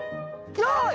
よい！